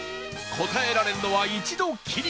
答えられるのは一度きり